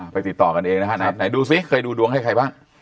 ติดต่อกันเองนะฮะไหนดูซิเคยดูดวงให้ใครบ้าง